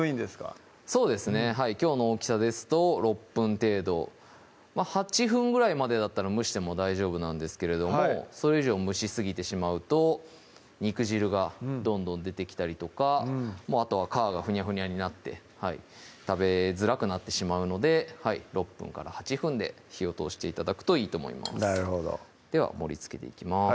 きょうの大きさですと６分程度８分ぐらいまでだったら蒸しても大丈夫なんですけれどもそれ以上蒸しすぎてしまうと肉汁がどんどん出てきたりとかあとは皮がふにゃふにゃになって食べづらくなってしまうので６分から８分で火を通して頂くといいと思いますなるほどでは盛りつけていきます